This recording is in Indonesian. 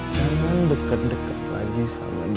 jangan deket deket lagi sama dengan itu